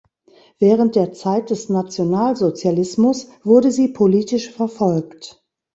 Während der Zeit des Nationalsozialismus wurde sie politisch verfolgt.